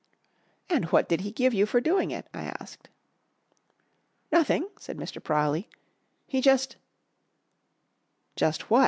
"And what did he give you for doing it?" I asked. "Nothing!" said Mr. Prawley. "He just " "Just what?"